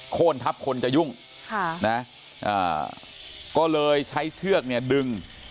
โค้นทับคนจะยุ่งก็เลยใช้เชือกเนี่ยดึง